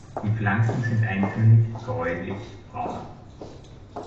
Die Flanken sind eintönig gräulich braun.